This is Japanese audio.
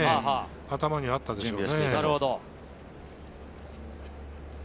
頭にあったでしょうね。